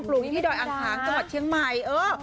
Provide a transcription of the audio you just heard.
อยู่ที่ดอยอังคางจังหวัดเชียงใหม่เออ